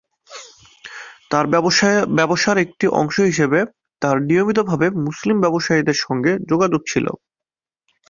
তার ব্যবসার একটি অংশ হিসাবে, তার নিয়মিতভাবে মুসলিম ব্যবসায়ীদের সঙ্গে যোগাযোগ ছিল।